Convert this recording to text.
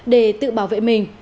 để tự bảo vệ mình